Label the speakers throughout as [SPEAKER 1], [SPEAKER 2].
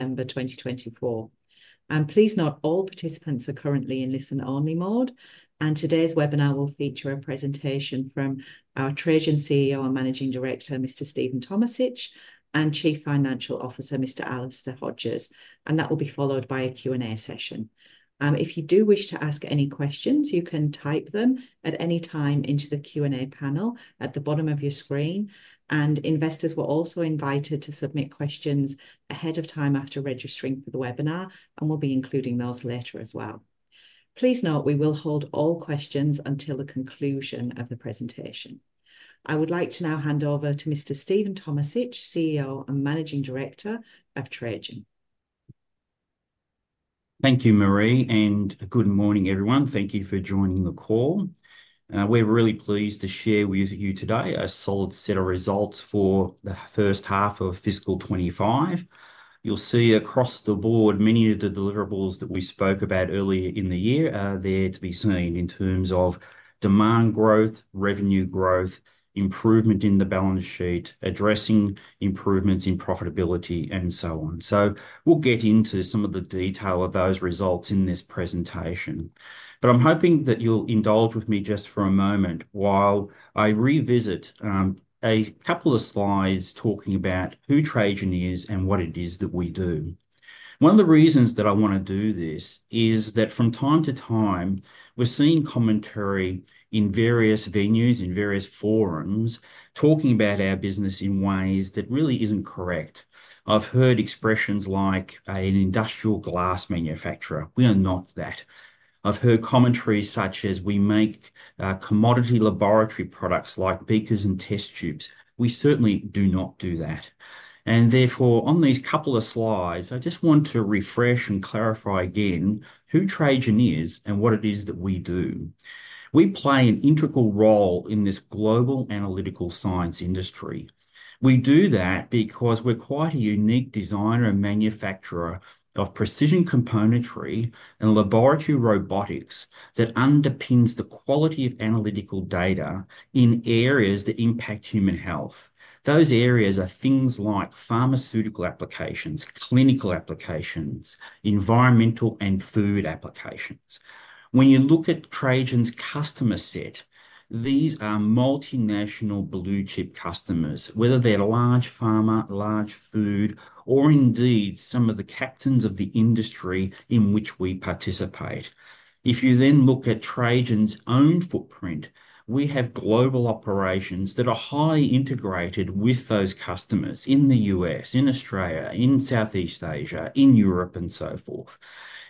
[SPEAKER 1] December 2024. Please note all participants are currently in listen-only mode, and today's webinar will feature a presentation from our Trajan CEO and Managing Director, Mr. Stephen Tomisich, and Chief Financial Officer, Mr. Alister Hodges. That will be followed by a Q&A session. If you do wish to ask any questions, you can type them at any time into the Q&A panel at the bottom of your screen. Investors were also invited to submit questions ahead of time after registering for the webinar, and we will be including those later as well. Please note we will hold all questions until the conclusion of the presentation. I would like to now hand over to Mr. Stephen Tomisich, CEO and Managing Director of Trajan.
[SPEAKER 2] Thank you, Marie, and good morning, everyone. Thank you for joining the call. We're really pleased to share with you today a solid set of results for the first half of fiscal 2025. You'll see across the board many of the deliverables that we spoke about earlier in the year are there to be seen in terms of demand growth, revenue growth, improvement in the balance sheet, addressing improvements in profitability, and so on. We will get into some of the detail of those results in this presentation. I'm hoping that you'll indulge with me just for a moment while I revisit a couple of slides talking about who Trajan is and what it is that we do. One of the reasons that I want to do this is that from time to time we're seeing commentary in various venues, in various forums, talking about our business in ways that really isn't correct. I've heard expressions like an industrial glass manufacturer. We are not that. I've heard commentary such as we make commodity laboratory products like beakers and test tubes. We certainly do not do that. Therefore, on these couple of slides, I just want to refresh and clarify again who Trajan is and what it is that we do. We play an integral role in this global analytical science industry. We do that because we're quite a unique designer and manufacturer of precision componentry and laboratory robotics that underpins the quality of analytical data in areas that impact human health. Those areas are things like pharmaceutical applications, clinical applications, environmental, and food applications. When you look at Trajan's customer set, these are multinational blue chip customers, whether they're large pharma, large food, or indeed some of the captains of the industry in which we participate. If you then look at Trajan's own footprint, we have global operations that are highly integrated with those customers in the U.S., in Australia, in Southeast Asia, in Europe, and so forth.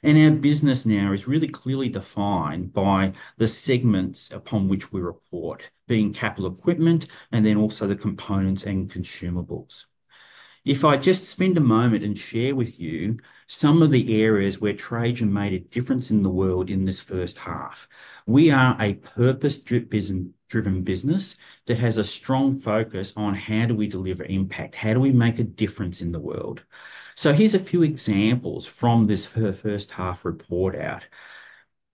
[SPEAKER 2] Our business now is really clearly defined by the segments upon which we report, being capital equipment and then also the components and consumables. If I just spend a moment and share with you some of the areas where Trajan made a difference in the world in this first half, we are a purpose-driven business that has a strong focus on how do we deliver impact, how do we make a difference in the world. Here are a few examples from this first half report out.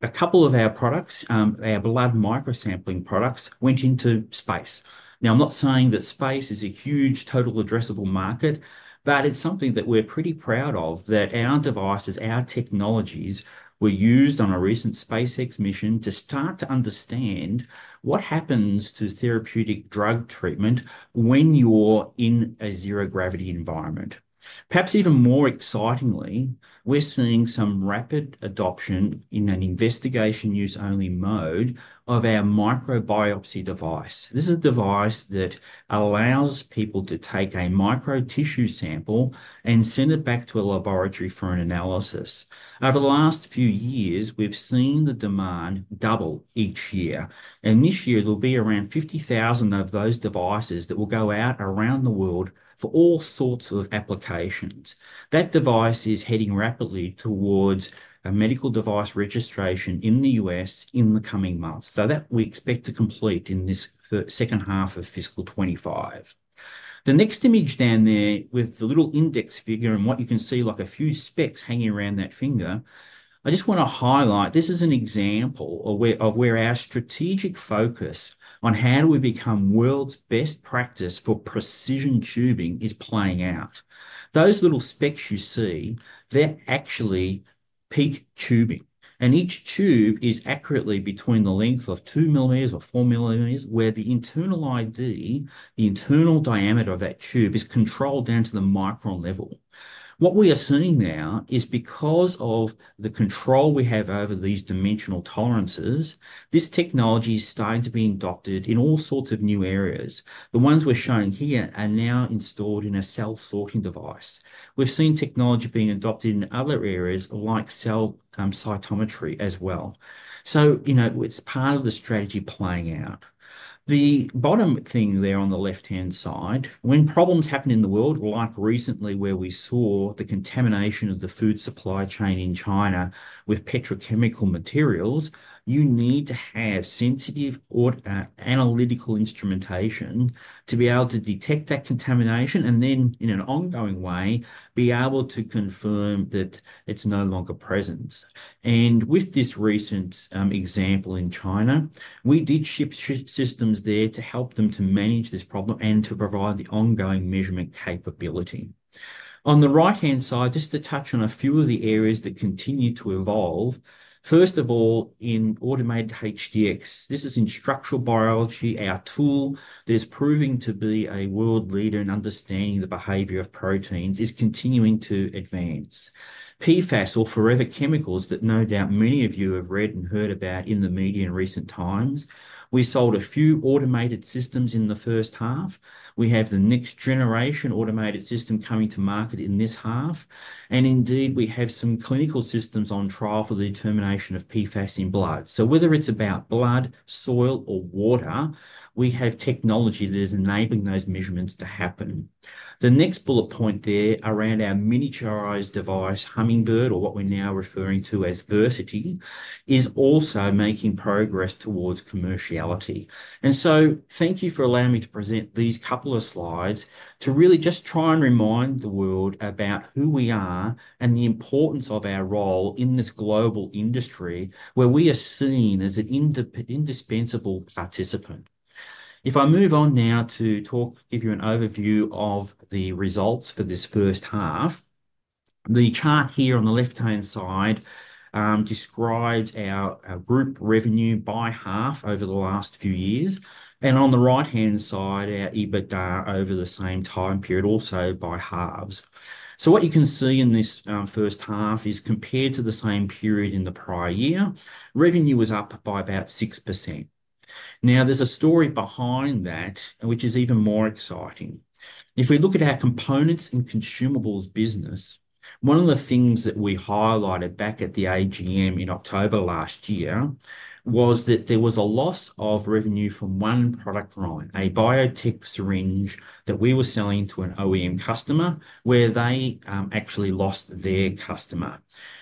[SPEAKER 2] A couple of our products, our beloved microsampling products, went into space. Now, I'm not saying that space is a huge total addressable market, but it's something that we're pretty proud of, that our devices, our technologies were used on a recent SpaceX mission to start to understand what happens to therapeutic drug treatment when you're in a zero gravity environment. Perhaps even more excitingly, we're seeing some rapid adoption in an investigation use-only mode of our microbiopsy device. This is a device that allows people to take a micro tissue sample and send it back to a laboratory for an analysis. Over the last few years, we've seen the demand double each year. This year, there will be around 50,000 of those devices that will go out around the world for all sorts of applications. That device is heading rapidly towards a medical device registration in the U.S. in the coming months. We expect to complete that in this second half of fiscal 2025. The next image down there with the little index finger and what you can see, like a few specs hanging around that finger, I just want to highlight this is an example of where our strategic focus on how do we become world's best practice for precision tubing is playing out. Those little specs you see, they're actually PEEK tubing. Each tube is accurately between the length of 2 mm or 4 mm, where the internal ID, the internal diameter of that tube, is controlled down to the micron level. What we are seeing now is because of the control we have over these dimensional tolerances, this technology is starting to be adopted in all sorts of new areas. The ones we're showing here are now installed in a cell sorting device. We've seen technology being adopted in other areas like cell cytometry as well. You know, it's part of the strategy playing out. The bottom thing there on the left-hand side, when problems happen in the world, like recently where we saw the contamination of the food supply chain in China with petrochemical materials, you need to have sensitive analytical instrumentation to be able to detect that contamination and then, in an ongoing way, be able to confirm that it's no longer present. With this recent example in China, we did ship systems there to help them to manage this problem and to provide the ongoing measurement capability. On the right-hand side, just to touch on a few of the areas that continue to evolve. First of all, in automated HDX, this is in structural biology, our tool that is proving to be a world leader in understanding the behavior of proteins is continuing to advance. PFAS, or Forever Chemicals, that no doubt many of you have read and heard about in the media in recent times. We sold a few automated systems in the first half. We have the next generation automated system coming to market in this half. Indeed, we have some clinical systems on trial for the determination of PFAS in blood. Whether it is about blood, soil, or water, we have technology that is enabling those measurements to happen. The next bullet point there around our miniaturized device, Hummingbird, or what we are now referring to as Versity, is also making progress towards commerciality. Thank you for allowing me to present these couple of slides to really just try and remind the world about who we are and the importance of our role in this global industry where we are seen as an indispensable participant. If I move on now to talk, give you an overview of the results for this first half, the chart here on the left-hand side describes our group revenue by half over the last few years. On the right-hand side, our EBITDA over the same time period, also by halves. What you can see in this first half is compared to the same period in the prior year, revenue was up by about 6%. Now, there's a story behind that, which is even more exciting. If we look at our components and consumables business, one of the things that we highlighted back at the AGM in October last year was that there was a loss of revenue from one product line, a biotech syringe that we were selling to an OEM customer where they actually lost their customer.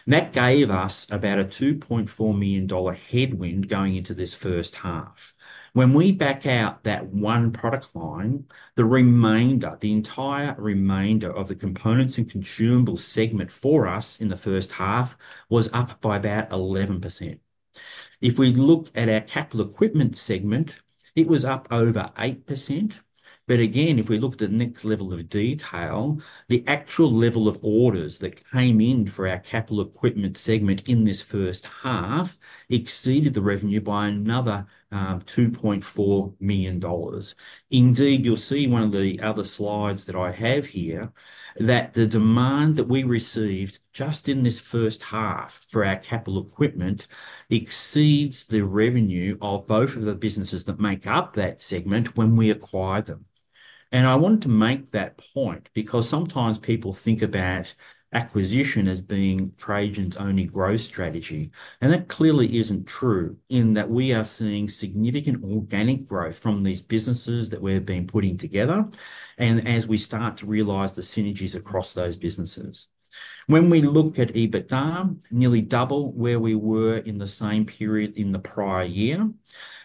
[SPEAKER 2] That gave us about 2.4 million dollar headwind going into this first half. When we back out that one product line, the remainder, the entire remainder of the components and consumables segment for us in the first half was up by about 11%. If we look at our capital equipment segment, it was up over 8%. If we look at the next level of detail, the actual level of orders that came in for our capital equipment segment in this first half exceeded the revenue by another 2.4 million dollars. Indeed, you'll see one of the other slides that I have here that the demand that we received just in this first half for our capital equipment exceeds the revenue of both of the businesses that make up that segment when we acquired them. I want to make that point because sometimes people think about acquisition as being Trajan's only growth strategy. That clearly isn't true in that we are seeing significant organic growth from these businesses that we've been putting together and as we start to realize the synergies across those businesses. When we look at EBITDA, nearly double where we were in the same period in the prior year.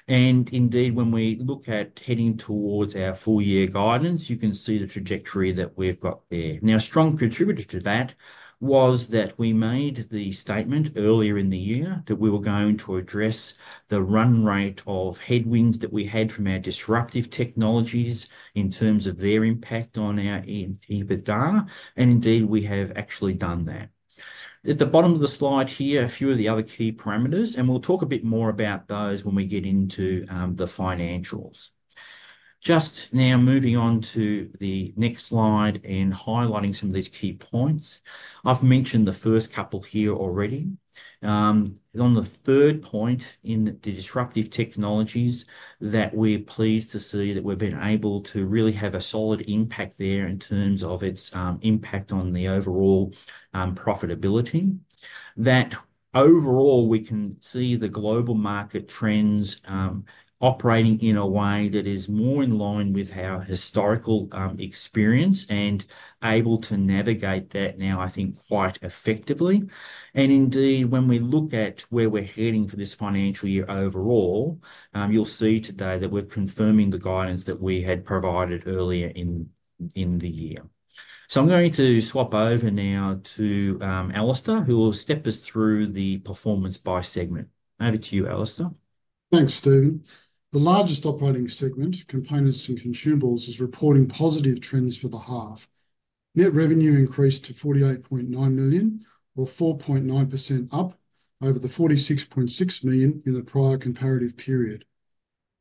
[SPEAKER 2] Indeed, when we look at heading towards our full year guidance, you can see the trajectory that we've got there. Now, a strong contributor to that was that we made the statement earlier in the year that we were going to address the run rate of headwinds that we had from our disruptive technologies in terms of their impact on our EBITDA. Indeed, we have actually done that. At the bottom of the slide here, a few of the other key parameters, and we'll talk a bit more about those when we get into the financials. Just now moving on to the next slide and highlighting some of these key points. I've mentioned the first couple here already. On the third point in the disruptive technologies, we're pleased to see that we've been able to really have a solid impact there in terms of its impact on the overall profitability. Overall, we can see the global market trends operating in a way that is more in line with our historical experience and able to navigate that now, I think, quite effectively. Indeed, when we look at where we're heading for this financial year overall, you'll see today that we're confirming the guidance that we had provided earlier in the year. I'm going to swap over now to Alister, who will step us through the performance by segment. Over to you, Alister.
[SPEAKER 3] Thanks, Stephen. The largest operating segment, components and consumables, is reporting positive trends for the half. Net revenue increased to 48.9 million, or 4.9% up over the 46.6 million in the prior comparative period.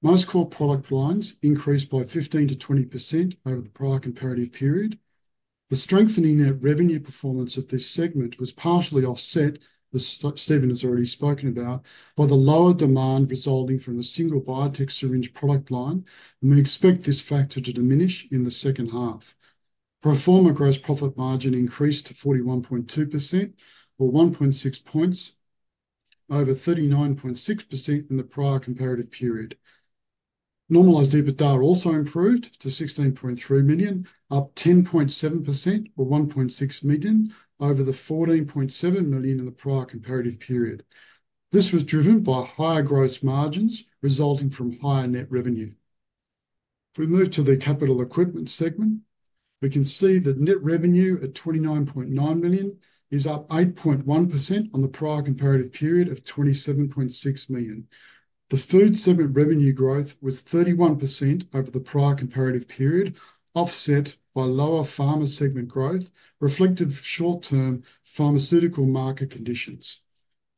[SPEAKER 3] Most core product lines increased by 15%-20% over the prior comparative period. The strengthening of revenue performance of this segment was partially offset, as Stephen has already spoken about, by the lower demand resulting from a single biotech syringe product line, and we expect this factor to diminish in the second half. Pro forma gross profit margin increased to 41.2%, or 1.6 percentage points, over 39.6% in the prior comparative period. Normalized EBITDA also improved to 16.3 million, up 10.7%, or 1.6 million over the 14.7 million in the prior comparative period. This was driven by higher gross margins resulting from higher net revenue. If we move to the capital equipment segment, we can see that net revenue at 29.9 million is up 8.1% on the prior comparative period of 27.6 million. The food segment revenue growth was 31% over the prior comparative period, offset by lower pharma segment growth reflective of short-term pharmaceutical market conditions.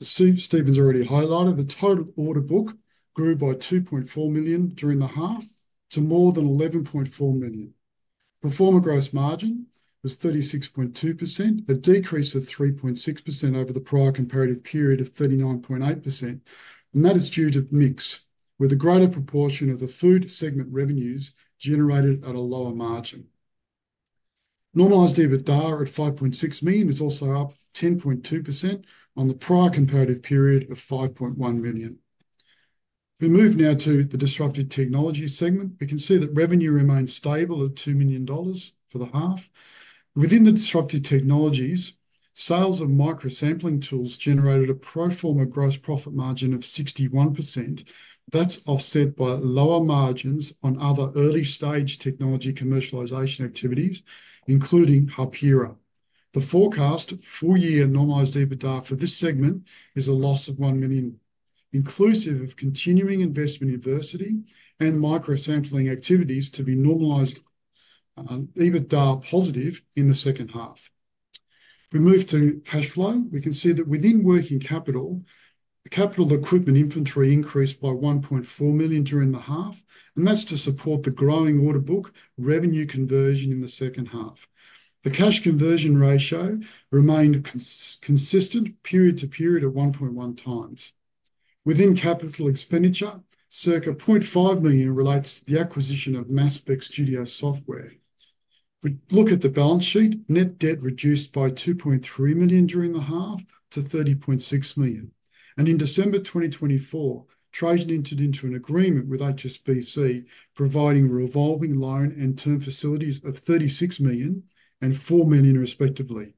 [SPEAKER 3] Stephen's already highlighted the total order book grew by 2.4 million during the half to more than 11.4 million. Pro forma gross margin was 36.2%, a decrease of 3.6% over the prior comparative period of 39.8%. That is due to mix with a greater proportion of the food segment revenues generated at a lower margin. Normalized EBITDA at 5.6 million is also up 10.2% on the prior comparative period of 5.1 million. If we move now to the disruptive technology segment, we can see that revenue remains stable at 2 million dollars for the half. Within the disruptive technologies, sales of microsampling tools generated a pro forma gross profit margin of 61%. That's offset by lower margins on other early-stage technology commercialization activities, including Hapira. The forecast full year normalized EBITDA for this segment is a loss of 1 million, inclusive of continuing investment in Versity and microsampling activities to be normalized EBITDA positive in the second half. If we move to cash flow, we can see that within working capital, capital equipment inventory increased by 1.4 million during the half, and that's to support the growing order book revenue conversion in the second half. The cash conversion ratio remained consistent period to period at 1.1x. Within capital expenditure, circa 0.5 million relates to the acquisition of Mass Spec Studio software. If we look at the balance sheet, net debt reduced by 2.3 million during the half to 30.6 million. In December 2024, Trajan entered into an agreement with HSBC providing a revolving loan and term facilities of 36 million and 4 million respectively.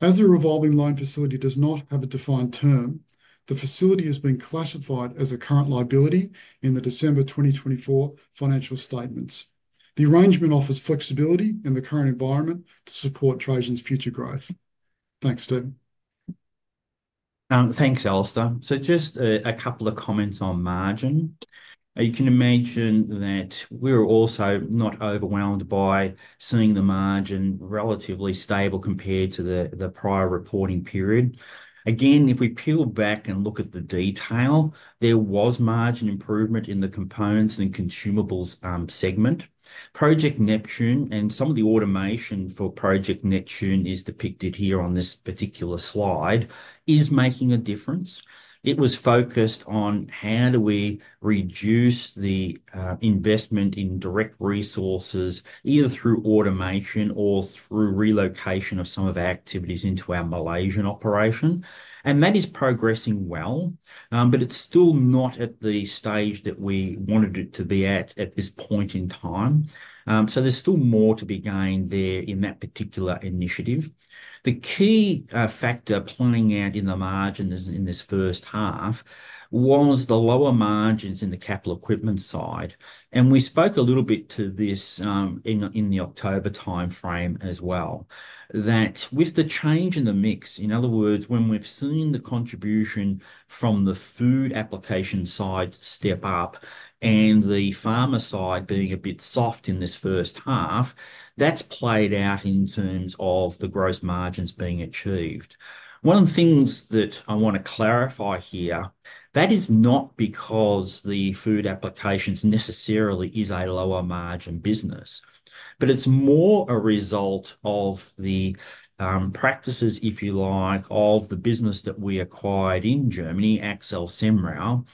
[SPEAKER 3] As a revolving loan facility does not have a defined term, the facility has been classified as a current liability in the December 2024 financial statements. The arrangement offers flexibility in the current environment to support Trajan's future growth. Thanks, Stephen.
[SPEAKER 2] Thanks, Alister. Just a couple of comments on margin. You can imagine that we're also not overwhelmed by seeing the margin relatively stable compared to the prior reporting period. Again, if we peel back and look at the detail, there was margin improvement in the components and consumables segment. Project Neptune and some of the automation for Project Neptune as depicted here on this particular slide is making a difference. It was focused on how do we reduce the investment in direct resources either through automation or through relocation of some of our activities into our Malaysian operation. That is progressing well, but it's still not at the stage that we wanted it to be at at this point in time. There's still more to be gained there in that particular initiative. The key factor playing out in the margins in this first half was the lower margins in the capital equipment side. We spoke a little bit to this in the October timeframe as well, that with the change in the mix, in other words, when we've seen the contribution from the food application side step up and the pharma side being a bit soft in this first half, that's played out in terms of the gross margins being achieved. One of the things that I want to clarify here, that is not because the food applications necessarily is a lower margin business, but it's more a result of the practices, if you like, of the business that we acquired in Germany, Axel Semrau,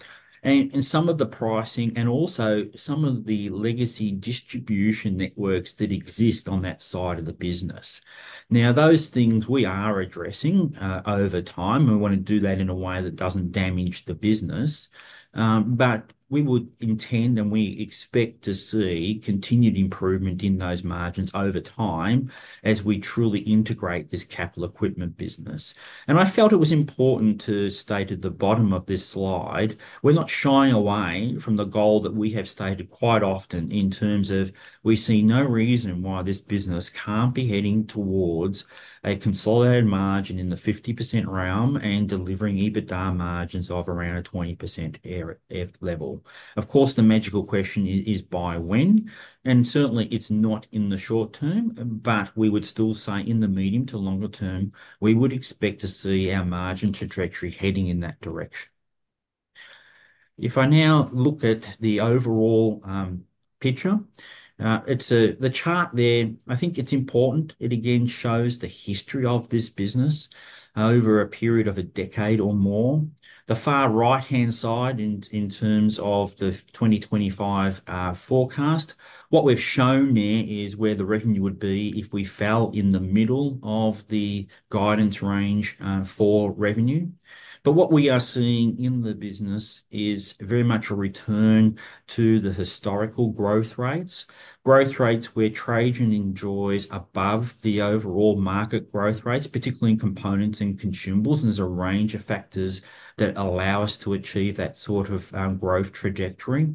[SPEAKER 2] and some of the pricing and also some of the legacy distribution networks that exist on that side of the business. Now, those things we are addressing over time. We want to do that in a way that does not damage the business, but we would intend and we expect to see continued improvement in those margins over time as we truly integrate this capital equipment business. I felt it was important to state at the bottom of this slide, we are not shying away from the goal that we have stated quite often in terms of we see no reason why this business cannot be heading towards a consolidated margin in the 50% realm and delivering EBITDA margins of around a 20% level. Of course, the magical question is, by when? Certainly, it is not in the short-term, but we would still say in the medium to longer-term, we would expect to see our margin trajectory heading in that direction. If I now look at the overall picture, the chart there, I think it's important. It again shows the history of this business over a period of a decade or more. The far right-hand side in terms of the 2025 forecast, what we've shown there is where the revenue would be if we fell in the middle of the guidance range for revenue. What we are seeing in the business is very much a return to the historical growth rates, growth rates where Trajan enjoys above the overall market growth rates, particularly in components and consumables. There's a range of factors that allow us to achieve that sort of growth trajectory.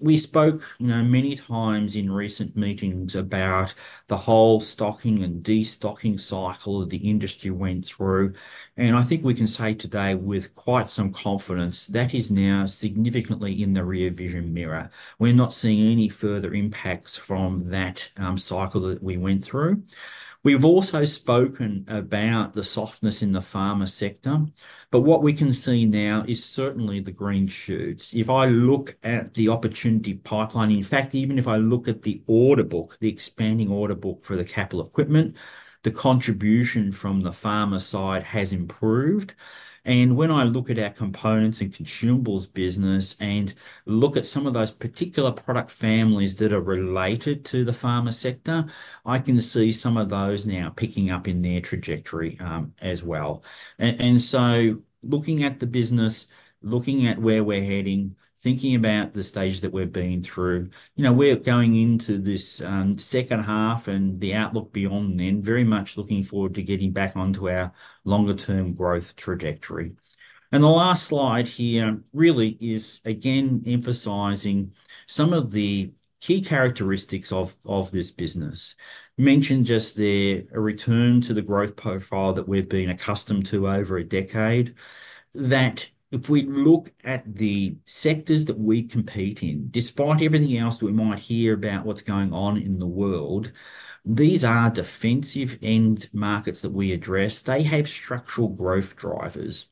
[SPEAKER 2] We spoke many times in recent meetings about the whole stocking and destocking cycle that the industry went through. I think we can say today with quite some confidence that is now significantly in the rear-vision mirror. We're not seeing any further impacts from that cycle that we went through. We've also spoken about the softness in the pharma sector, but what we can see now is certainly the green shoots. If I look at the opportunity pipeline, in fact, even if I look at the order book, the expanding order book for the capital equipment, the contribution from the pharma side has improved. When I look at our components and consumables business and look at some of those particular product families that are related to the pharma sector, I can see some of those now picking up in their trajectory as well. Looking at the business, looking at where we're heading, thinking about the stage that we've been through, we're going into this second half and the outlook beyond then very much looking forward to getting back onto our longer-term growth trajectory. The last slide here really is again emphasizing some of the key characteristics of this business. I mentioned just the return to the growth profile that we've been accustomed to over a decade, that if we look at the sectors that we compete in, despite everything else that we might hear about what's going on in the world, these are defensive end markets that we address. They have structural growth drivers.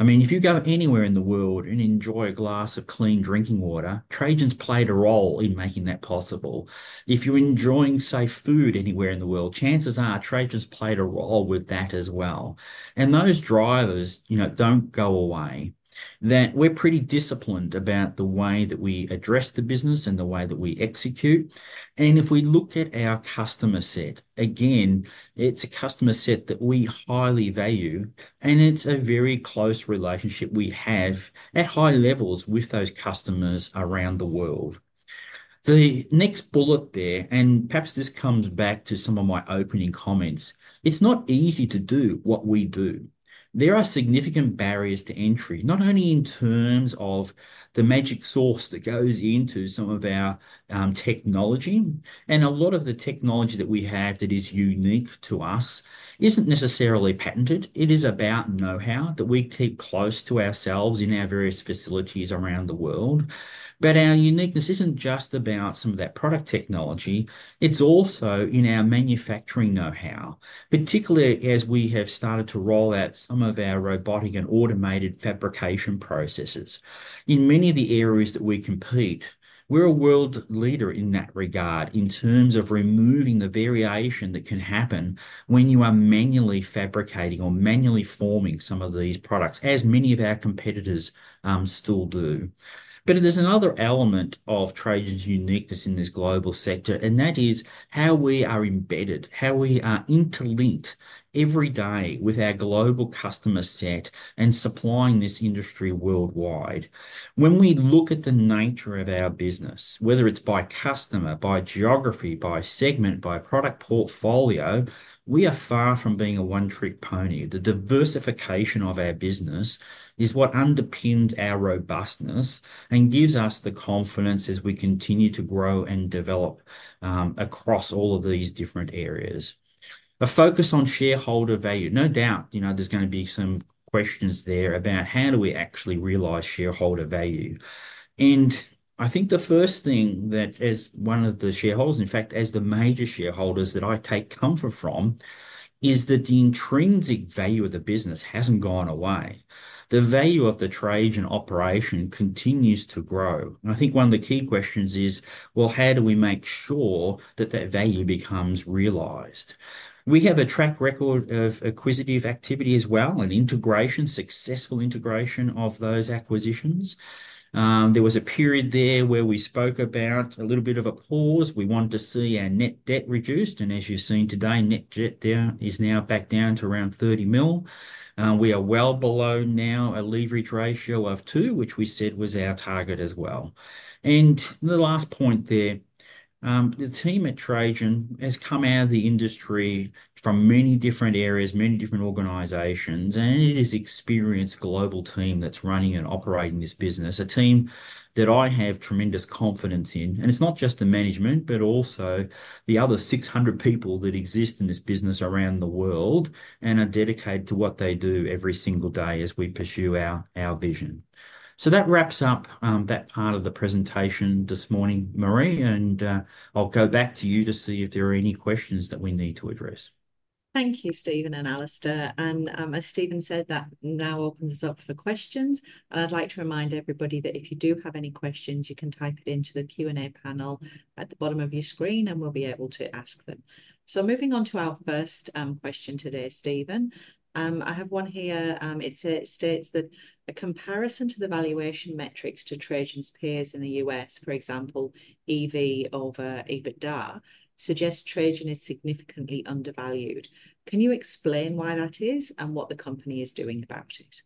[SPEAKER 2] I mean, if you go anywhere in the world and enjoy a glass of clean drinking water, Trajan's played a role in making that possible. If you're enjoying, say, food anywhere in the world, chances are Trajan's played a role with that as well. Those drivers do not go away. We're pretty disciplined about the way that we address the business and the way that we execute. If we look at our customer set, again, it's a customer set that we highly value, and it's a very close relationship we have at high levels with those customers around the world. The next bullet there, and perhaps this comes back to some of my opening comments, it's not easy to do what we do. There are significant barriers to entry, not only in terms of the magic sauce that goes into some of our technology, and a lot of the technology that we have that is unique to us is not necessarily patented. It is about know-how that we keep close to ourselves in our various facilities around the world. Our uniqueness is not just about some of that product technology. It is also in our manufacturing know-how, particularly as we have started to roll out some of our robotic and automated fabrication processes. In many of the areas that we compete, we are a world leader in that regard in terms of removing the variation that can happen when you are manually fabricating or manually forming some of these products, as many of our competitors still do. There is another element of Trajan's uniqueness in this global sector, and that is how we are embedded, how we are interlinked every day with our global customer set and supplying this industry worldwide. When we look at the nature of our business, whether it's by customer, by geography, by segment, by product portfolio, we are far from being a one-trick pony. The diversification of our business is what underpins our robustness and gives us the confidence as we continue to grow and develop across all of these different areas. A focus on shareholder value. No doubt there's going to be some questions there about how do we actually realize shareholder value. I think the first thing that, as one of the shareholders, in fact, as the major shareholders that I take comfort from, is that the intrinsic value of the business hasn't gone away. The value of the Trajan operation continues to grow. I think one of the key questions is, well, how do we make sure that that value becomes realized? We have a track record of acquisitive activity as well and successful integration of those acquisitions. There was a period there where we spoke about a little bit of a pause. We wanted to see our net debt reduced. As you've seen today, net debt there is now back down to around 30 million. We are well below now a leverage ratio of 2, which we said was our target as well. The last point there, the team at Trajan has come out of the industry from many different areas, many different organizations, and it is an experienced global team that's running and operating this business, a team that I have tremendous confidence in. It is not just the management, but also the other 600 people that exist in this business around the world and are dedicated to what they do every single day as we pursue our vision. That wraps up that part of the presentation this morning, Marie, and I will go back to you to see if there are any questions that we need to address.
[SPEAKER 1] Thank you, Stephen and Alister. As Stephen said, that now opens us up for questions. I'd like to remind everybody that if you do have any questions, you can type it into the Q&A panel at the bottom of your screen, and we'll be able to ask them. Moving on to our first question today, Stephen, I have one here. It states that a comparison to the valuation metrics to Trajan's peers in the U.S., for example, EV over EBITDA, suggests Trajan is significantly undervalued. Can you explain why that is and what the company is doing about it?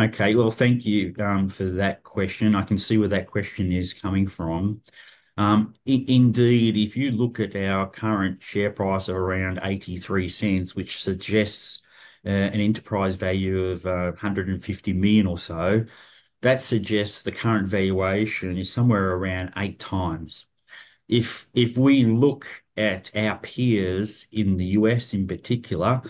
[SPEAKER 2] Okay. Thank you for that question. I can see where that question is coming from. Indeed, if you look at our current share price of around 0.83, which suggests an enterprise value of 150 million or so, that suggests the current valuation is somewhere around eight times. If we look at our peers in the U.S. in particular,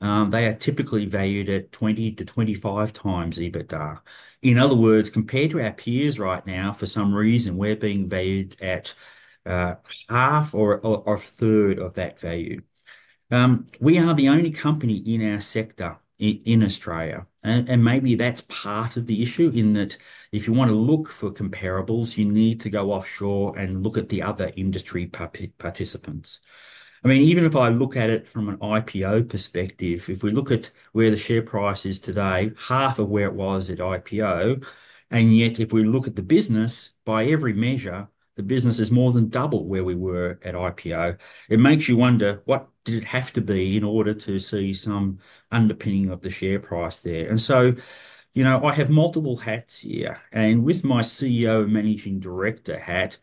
[SPEAKER 2] they are typically valued at 20-25x EBITDA. In other words, compared to our peers right now, for some reason, we're being valued at half or a third of that value. We are the only company in our sector in Australia. Maybe that's part of the issue in that if you want to look for comparables, you need to go offshore and look at the other industry participants. I mean, even if I look at it from an IPO perspective, if we look at where the share price is today, half of where it was at IPO, and yet if we look at the business, by every measure, the business is more than double where we were at IPO. It makes you wonder, what did it have to be in order to see some underpinning of the share price there? I have multiple hats here. With my CEO and Managing Director hat,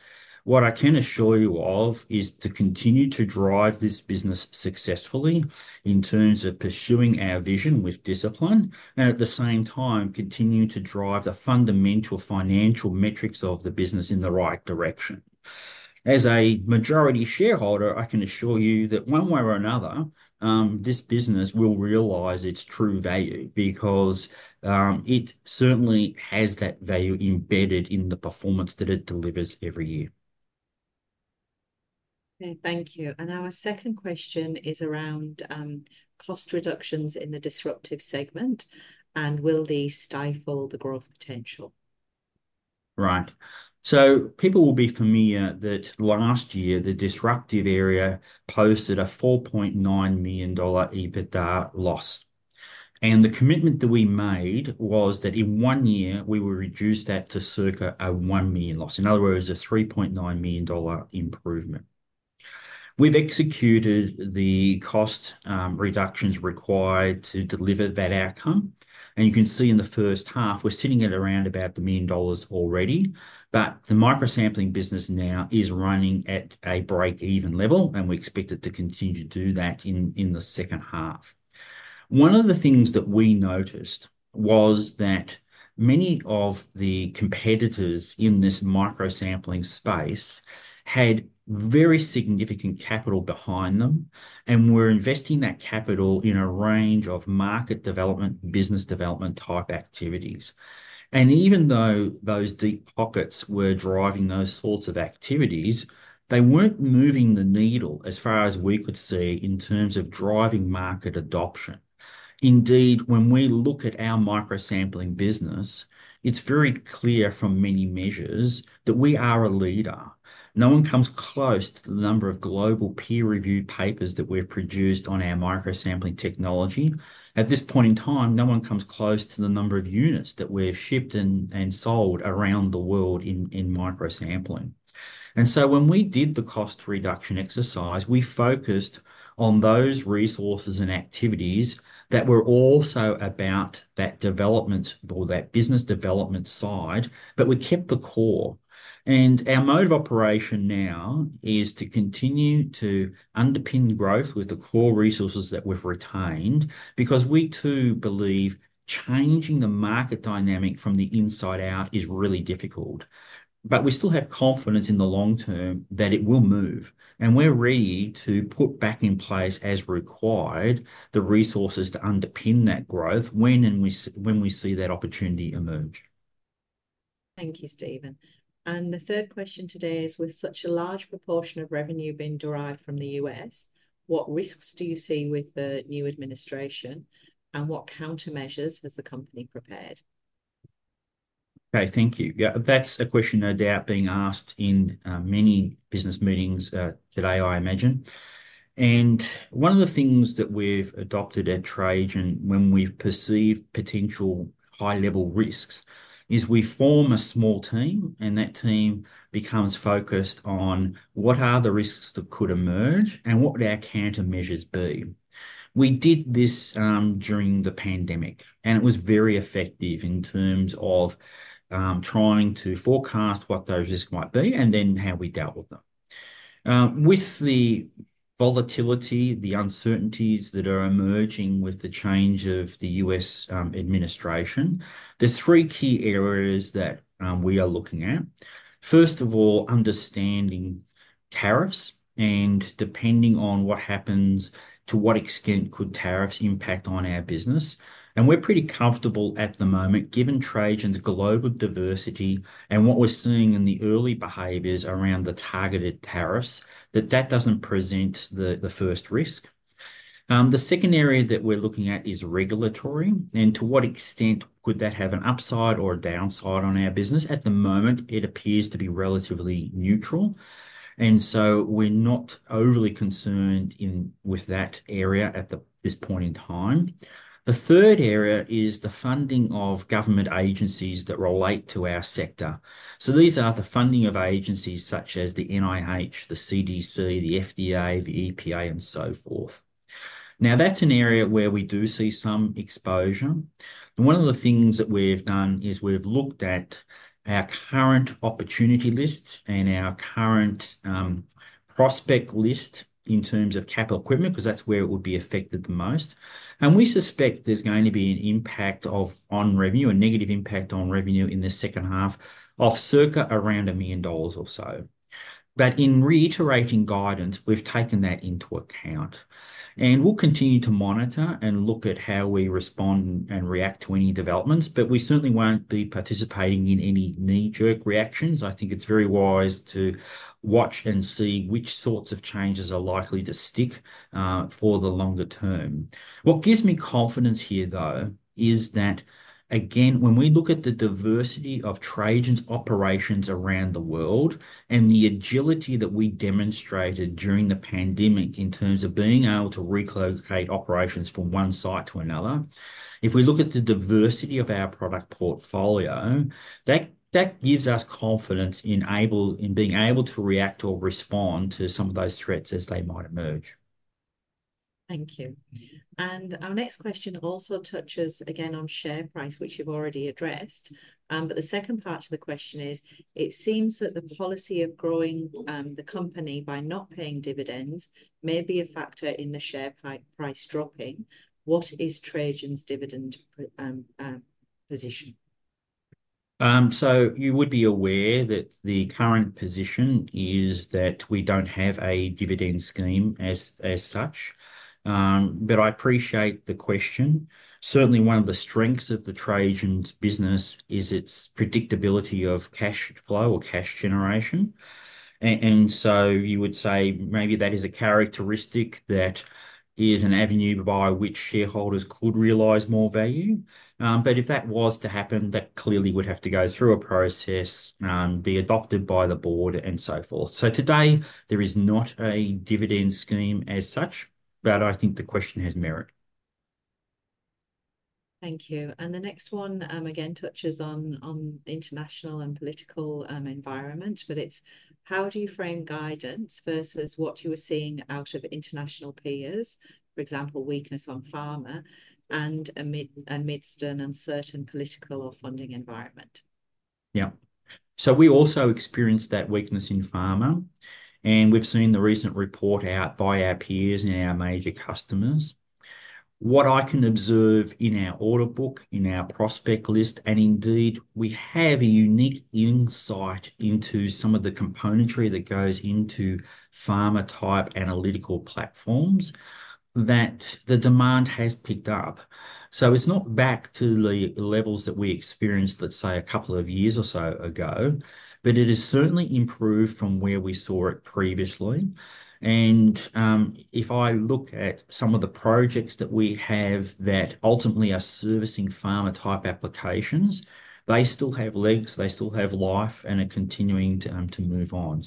[SPEAKER 2] what I can assure you of is to continue to drive this business successfully in terms of pursuing our vision with discipline and at the same time, continue to drive the fundamental financial metrics of the business in the right direction. As a majority shareholder, I can assure you that one way or another, this business will realize its true value because it certainly has that value embedded in the performance that it delivers every year.
[SPEAKER 1] Okay. Thank you. Our second question is around cost reductions in the disruptive segment, and will these stifle the growth potential?
[SPEAKER 2] Right. People will be familiar that last year, the disruptive area posted an 4.9 million dollar EBITDA loss. The commitment that we made was that in one year, we will reduce that to circa an 1 million loss. In other words, an 3.9 million dollar improvement. We have executed the cost reductions required to deliver that outcome. You can see in the first half, we are sitting at around about the 1 million dollars already, but the microsampling business now is running at a break-even level, and we expect it to continue to do that in the second half. One of the things that we noticed was that many of the competitors in this microsampling space had very significant capital behind them and were investing that capital in a range of market development, business development type activities. Even though those deep pockets were driving those sorts of activities, they were not moving the needle as far as we could see in terms of driving market adoption. Indeed, when we look at our microsampling business, it is very clear from many measures that we are a leader. No one comes close to the number of global peer-reviewed papers that we have produced on our microsampling technology. At this point in time, no one comes close to the number of units that we have shipped and sold around the world in microsampling. When we did the cost reduction exercise, we focused on those resources and activities that were also about that development or that business development side, but we kept the core. Our mode of operation now is to continue to underpin growth with the core resources that we've retained because we too believe changing the market dynamic from the inside out is really difficult. We still have confidence in the long-term that it will move. We're ready to put back in place, as required, the resources to underpin that growth when we see that opportunity emerge.
[SPEAKER 1] Thank you, Stephen. The third question today is, with such a large proportion of revenue being derived from the U.S., what risks do you see with the new administration? What countermeasures has the company prepared?
[SPEAKER 2] Okay. Thank you. That's a question no doubt being asked in many business meetings today, I imagine. One of the things that we've adopted at Trajan when we've perceived potential high-level risks is we form a small team, and that team becomes focused on what are the risks that could emerge and what our countermeasures be. We did this during the pandemic, and it was very effective in terms of trying to forecast what those risks might be and then how we dealt with them. With the volatility, the uncertainties that are emerging with the change of the U.S. administration, there's three key areas that we are looking at. First of all, understanding tariffs and depending on what happens, to what extent could tariffs impact on our business. We're pretty comfortable at the moment, given Trajan's global diversity and what we're seeing in the early behaviors around the targeted tariffs, that that doesn't present the first risk. The second area that we're looking at is regulatory and to what extent could that have an upside or a downside on our business. At the moment, it appears to be relatively neutral. We're not overly concerned with that area at this point in time. The third area is the funding of government agencies that relate to our sector. These are the funding of agencies such as the NIH, the CDC, the FDA, the EPA, and so forth. Now, that's an area where we do see some exposure. One of the things that we've done is we've looked at our current opportunity list and our current prospect list in terms of capital equipment because that's where it would be affected the most. We suspect there's going to be an impact on revenue, a negative impact on revenue in the second half of circa around 1 million dollars or so. In reiterating guidance, we've taken that into account. We'll continue to monitor and look at how we respond and react to any developments, but we certainly won't be participating in any knee-jerk reactions. I think it's very wise to watch and see which sorts of changes are likely to stick for the longer-term. What gives me confidence here, though, is that, again, when we look at the diversity of Trajan's operations around the world and the agility that we demonstrated during the pandemic in terms of being able to relocate operations from one site to another, if we look at the diversity of our product portfolio, that gives us confidence in being able to react or respond to some of those threats as they might emerge.
[SPEAKER 1] Thank you. Our next question also touches again on share price, which you've already addressed. The second part of the question is, it seems that the policy of growing the company by not paying dividends may be a factor in the share price dropping. What is Trajan's dividend position?
[SPEAKER 2] You would be aware that the current position is that we do not have a dividend scheme as such. I appreciate the question. Certainly, one of the strengths of Trajan's business is its predictability of cash flow or cash generation. You would say maybe that is a characteristic that is an avenue by which shareholders could realize more value. If that was to happen, that clearly would have to go through a process, be adopted by the board, and so forth. Today, there is not a dividend scheme as such, but I think the question has merit.
[SPEAKER 1] Thank you. The next one again touches on the international and political environment, but it's how do you frame guidance versus what you were seeing out of international peers, for example, weakness on pharma and amidst an uncertain political or funding environment?
[SPEAKER 2] Yeah. We also experienced that weakness in pharma. We've seen the recent report out by our peers and our major customers. What I can observe in our order book, in our prospect list, and indeed, we have a unique insight into some of the componentry that goes into pharma-type analytical platforms, that the demand has picked up. It's not back to the levels that we experienced, let's say, a couple of years or so ago, but it has certainly improved from where we saw it previously. If I look at some of the projects that we have that ultimately are servicing pharma-type applications, they still have legs. They still have life and are continuing to move on.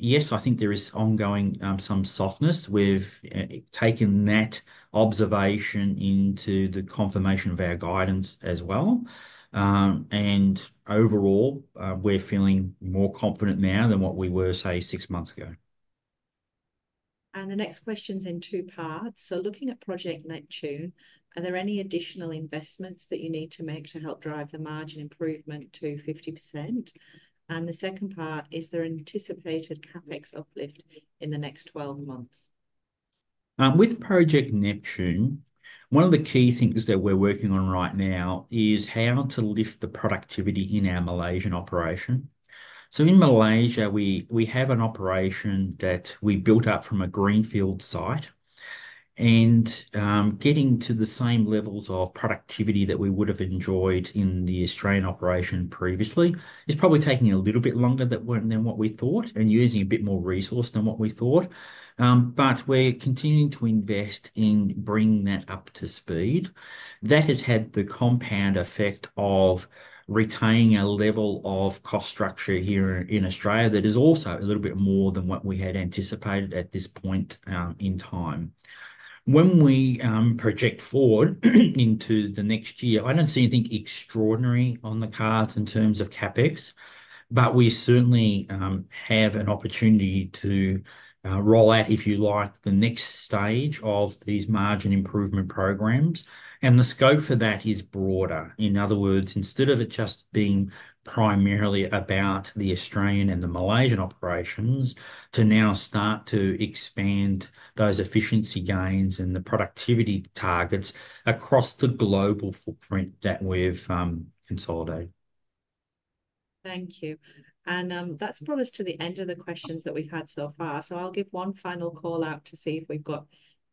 [SPEAKER 2] Yes, I think there is ongoing some softness. We've taken that observation into the confirmation of our guidance as well. Overall, we're feeling more confident now than what we were, say, six months ago.
[SPEAKER 1] The next question's in two parts. Looking at Project Neptune, are there any additional investments that you need to make to help drive the margin improvement to 50%? The second part, is there anticipated CapEx uplift in the next 12 months?
[SPEAKER 2] With Project Neptune, one of the key things that we're working on right now is how to lift the productivity in our Malaysian operation. In Malaysia, we have an operation that we built up from a greenfield site. Getting to the same levels of productivity that we would have enjoyed in the Australian operation previously is probably taking a little bit longer than what we thought and using a bit more resource than what we thought. We're continuing to invest in bringing that up to speed. That has had the compound effect of retaining a level of cost structure here in Australia that is also a little bit more than what we had anticipated at this point in time. When we project forward into the next year, I don't see anything extraordinary on the cards in terms of CapEx, but we certainly have an opportunity to roll out, if you like, the next stage of these margin improvement programs. The scope for that is broader. In other words, instead of it just being primarily about the Australian and the Malaysian operations, to now start to expand those efficiency gains and the productivity targets across the global footprint that we've consolidated.
[SPEAKER 1] Thank you. That has brought us to the end of the questions that we've had so far. I'll give one final call out to see if we've got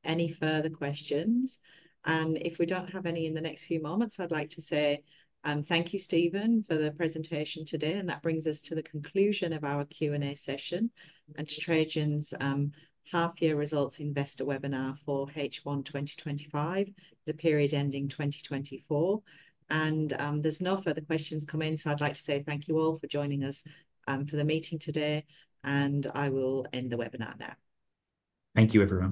[SPEAKER 1] any further questions. If we don't have any in the next few moments, I'd like to say thank you, Stephen, for the presentation today. That brings us to the conclusion of our Q&A session and to Trajan's half-year results investor webinar for H1 2025, the period ending 2024. There are no further questions coming in, so I'd like to say thank you all for joining us for the meeting today. I will end the webinar now.
[SPEAKER 2] Thank you everyone.